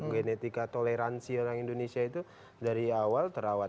genetika toleransi orang indonesia itu dari awal terawat